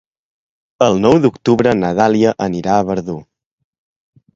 El nou d'octubre na Dàlia anirà a Verdú.